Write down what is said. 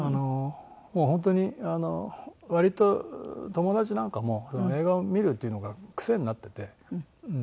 もう本当に割と友達なんかも映画を見るというのが癖になってて。